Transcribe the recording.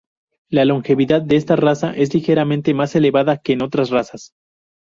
La longevidad de esta raza es ligeramente más elevada que en otras razas.